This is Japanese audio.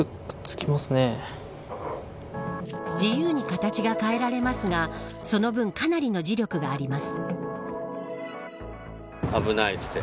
自由に形が変えられますがその分かなりの磁力があります。